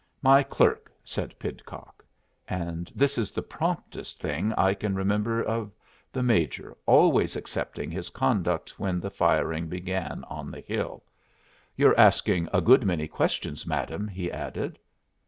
"My clerk," said Pidcock; and this is the promptest thing I can remember of the Major, always excepting his conduct when the firing began on the hill. "You're asking a good many questions, madam," he added.